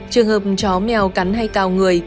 trường hợp chó mèo cắn hay cào người